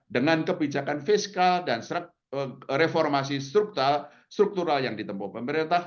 dengan kebijakan fiskal dan reformasi struktural yang ditempuh pemerintah